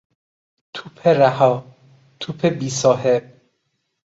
توپ رها، توپ بی صاحب